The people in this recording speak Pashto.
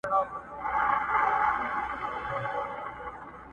د جګړې مور به سي بوره، زوی د سولي به پیدا سي،